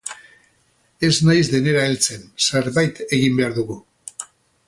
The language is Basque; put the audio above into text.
Ez naiz denera heltzen, zerbait egin behar dugu.